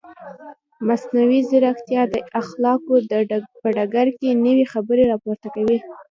مصنوعي ځیرکتیا د اخلاقو په ډګر کې نوې خبرې راپورته کوي.